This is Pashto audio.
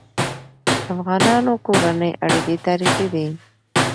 د افغانانو کورنی اړيکي تاریخي دي.